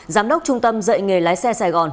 giám đốc trung tâm dạy nghề lái xe sài gòn